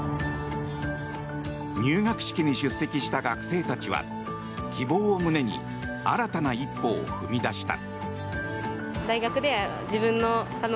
入学式に出席した学生たちは希望を胸に新たな一歩を踏み出した。